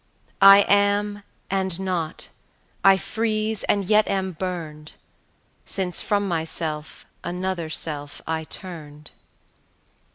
I am, and not; I freeze and yet am burned, Since from myself another self I turned.